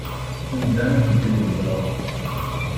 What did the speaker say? Anda ay ten-id-tbeddleḍ?